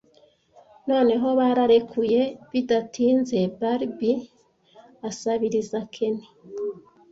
Noneho, bararekuye - Bidatinze Barbie asabiriza Ken